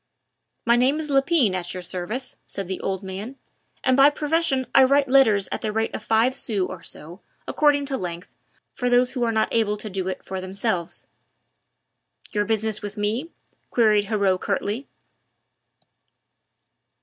"My name is Lepine at your service," said the old man, "and by profession I write letters at the rate of five sous or so, according to length, for those who are not able to do it for themselves." "Your business with me?" queried Heriot curtly.